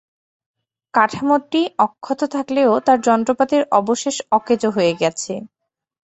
কাঠামোটি অক্ষত থাকলেও তার যন্ত্রপাতির অবশেষ অকেজো হয়ে গেছে।